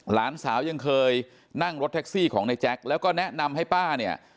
หลานสาวยังเคยนั่งรถแท็กซี่ของในแจ็คแล้วก็แนะนำให้ป้าเนี่ย